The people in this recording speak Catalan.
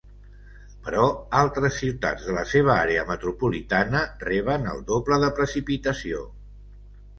Però altres ciutats de la seva àrea metropolitana reben el doble de precipitació.